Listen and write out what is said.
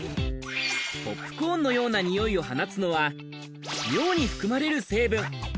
ポップコーンのような臭いを放つのは尿に含まれる成分。